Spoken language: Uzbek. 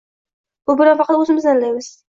Bu bilan faqat o‘zimizni aldaymiz.